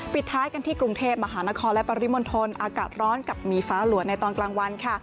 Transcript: ปิดท้ายกันที่กรุงเทพมหานครและปริมณฑลอากาศร้อนกับมีฟ้าหลัวในตอนกลางวันค่ะ